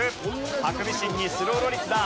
ハクビシンにスローロリスだ。